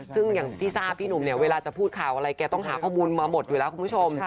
ซึ่งอย่างที่ทราบพี่หนุ่มเนี่ยเวลาจะพูดข่าวอะไรแกต้องหาข้อมูลมาหมดอยู่แล้วคุณผู้ชม